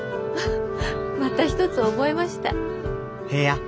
また一つ覚えました。